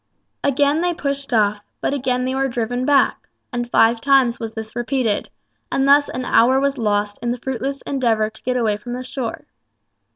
Again they pushed off, but again were they driven back; and five times was this repeated, and thus an hour was lost in the fruitless endeavour to get away from the shore.